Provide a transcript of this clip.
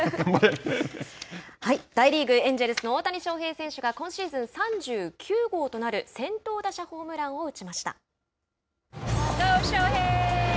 大リーグ、エンジェルスの大谷翔平選手が今シーズン３９号となる先頭打者ホームランを打ちました。